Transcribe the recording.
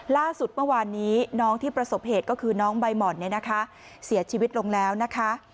ล่าสุดเมื่อวานนี้น้องที่ประสบเหตุก็คือน้องใบหม่อนเนี่ยนะคะเสียชีวิตลงแล้วนะคะ